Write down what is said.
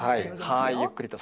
はいゆっくりと。